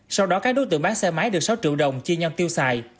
sau đó các đối tượng bán xe máy được sáu triệu đồng chia nhau tiêu xài